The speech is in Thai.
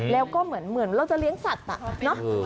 แล้วก็เหมือนเราจะเลี้ยงสัตว์เนาะ